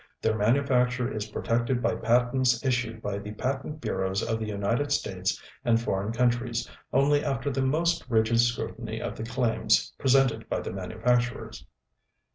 Their manufacture is protected by patents issued by the patent bureaus of the United States and foreign countries only after the most rigid scrutiny of the claims presented by the manufacturers.